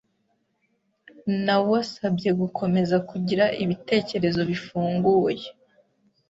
Nawesabye gukomeza kugira ibitekerezo bifunguye.